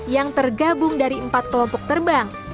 yang tergabung dari empat kelompok terbang